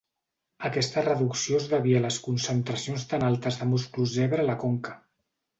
Aquesta reducció es devia a les concentracions tan altes de musclos zebra a la conca.